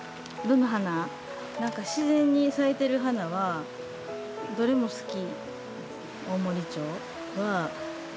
何か自然に咲いてる花はどれも好き。